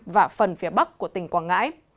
và phần phía bắc của tỉnh quảng ngãi